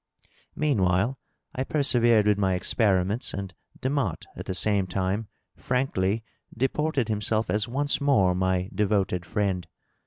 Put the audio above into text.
Meanwhile, I persevered with my experiments, and Demotte at the same time frankly deported himself as once more my devoted friend.